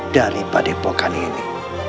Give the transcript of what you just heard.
dari padepokan ini